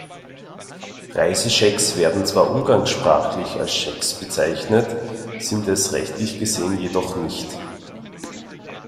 Reiseschecks werden zwar umgangssprachlich als Schecks bezeichnet, sind es rechtlich gesehen jedoch nicht.